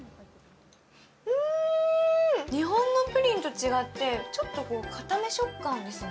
日本のプリンと違ってちょっと硬め食感ですね。